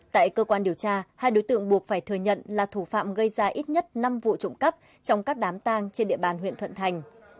tại cơ quan điều tra hai đối tượng buộc phải thừa nhận là thủ phạm gây ra ít nhất năm vụ trộm cắp trong các đám tang trên địa bàn huyện thuận thành